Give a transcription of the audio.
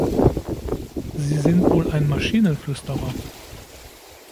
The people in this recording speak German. Sie sind wohl ein Maschinenflüsterer!